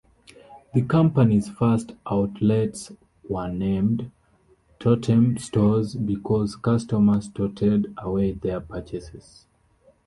The company's first outlets were named "Tote'm Stores" because customers "toted" away their purchases.